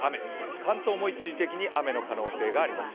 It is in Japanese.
関東も一時的に雨の可能性があります。